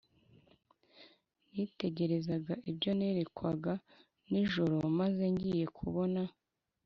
Nitegerezaga ibyo nerekwaga nijoro maze ngiye kubona